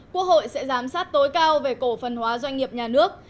quốc hội sẽ giám sát tối cao về cổ phần hóa doanh nghiệp nhà nước